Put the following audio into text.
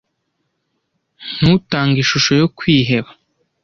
ntutange ishusho yo kwiheba